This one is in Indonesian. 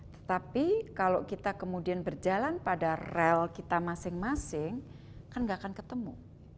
tetapi kalau kita kemudian berjalan pada rel kita masing masing kan nggak akan ketemu